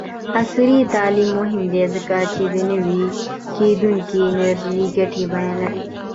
عصري تعلیم مهم دی ځکه چې د نوي کیدونکي انرژۍ ګټې بیانوي.